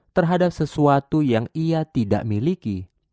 terhadap sesuatu yang ia tidak miliki